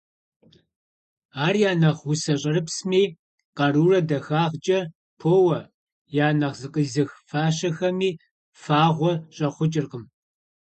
Ар я нэхъ усэ «щӀэрыпсми» къарурэ дахагъкӀэ поуэ, я нэхъ «зыкъизых» фащэхэми фагъуэ щӀэхъукӀыркъым.